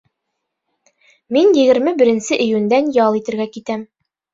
Мин егерме беренсе июндән ял итергә китәм.